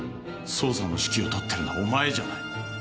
捜査の指揮をとってるのはお前じゃない。